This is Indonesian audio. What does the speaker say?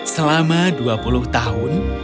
selama dua puluh tahun